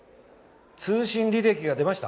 通信履歴が出ました？